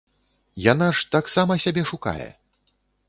Яна ж таксама сябе шукае!